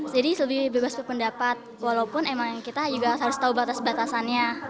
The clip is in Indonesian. jadi lebih bebas berpendapat walaupun memang kita juga harus tahu batas batasannya